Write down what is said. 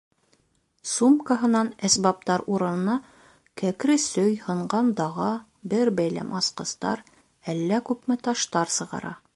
Сумкаһынан әсбаптар урынына кәкре сөй, һынған даға, бер бәйләм асҡыстар, әллә күпме таштар сығара.